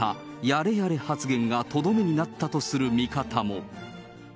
やれやれ発言がとどめになったとする見方も。